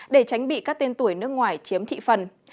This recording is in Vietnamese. để tránh bị các tên tuổi nước ngoài chiếm thị phần